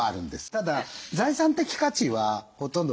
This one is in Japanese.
ただ財産的価値はほとんどない。